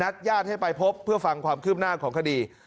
ญาติให้ไปพบเพื่อฟังความคืบหน้าของคดี